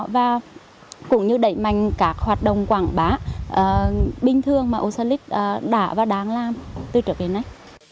và cũng như đẩy mạnh các hoạt động quảng bá bình thường mà osalic đã và đang làm từ trước đến nay